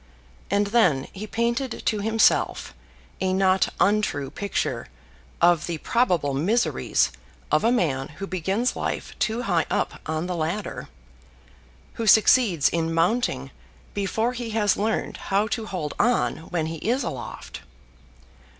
And then he painted to himself a not untrue picture of the probable miseries of a man who begins life too high up on the ladder, who succeeds in mounting before he has learned how to hold on when he is aloft.